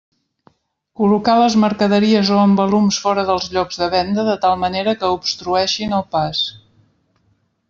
Col·locar les mercaderies o embalums fora dels llocs de venda de tal manera que obstrueixin el pas.